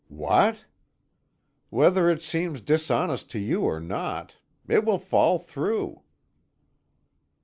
"What?" "Whether it seems dishonest to you or not. It will fall through."